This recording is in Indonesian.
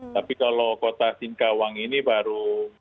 tapi kalau kota singkawang ini baru